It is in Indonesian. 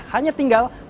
hanya tinggal mencoba